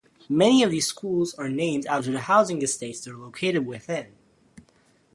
Many of these schools are named after the housing estates they are located within.